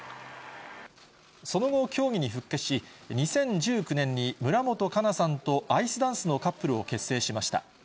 その後、競技に復帰し、２０１９年に村元哉中さんとアイスダンスのカップルを結成しました。